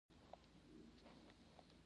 قاتل هیڅ کله اتل نه شي کېدای